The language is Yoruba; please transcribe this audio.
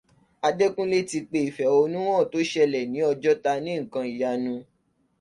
Adékúnlé ti pé ìfẹ̀hónú hàn tó ṣẹlẹ̀ ní Ọjọ́ta ní nǹkan ìyanu